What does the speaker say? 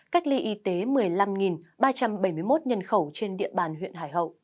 cách ly y tế một mươi năm ba trăm bảy mươi một nhân khẩu trên địa bàn huyện hải hậu